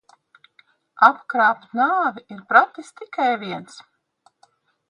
Apkrāpt nāvi ir pratis tikai viens.